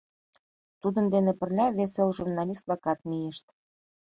Тудын дене пырля вес эл журналист-влакат мийышт.